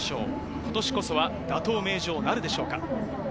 今年こそは打倒名城なるでしょうか。